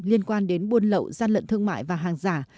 liên quan đến buôn lậu gian lận thương mại và hàng giả